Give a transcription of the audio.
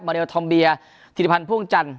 มาเรียวทอมเบียร์ธิริพันธ์พ่วงจันทร์